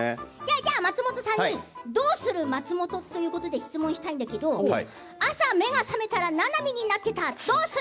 松本さんにどうする松本ということで質問したいんだけど朝が目覚めたら、ななみになっていたどうする？